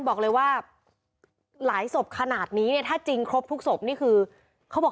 บอกเลยว่าหลายศพขนาดนี้เนี่ยถ้าจริงครบทุกศพนี่คือเขาบอก